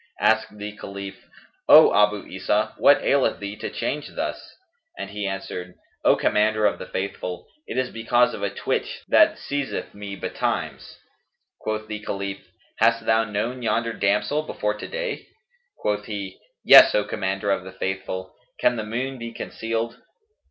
Asked the Caliph, "O Abu Isa, what aileth thee to change thus?"; and he answered, "O Commander of the Faithful, it is because of a twitch that seizeth me betimes." Quoth the Caliph, "Hast thou known yonder damsel before to day?" Quoth he, "Yes, O Commander of the Faithful, can the moon be concealed?"